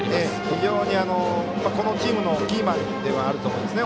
非常に、このチームのキーマンではあると思うんですね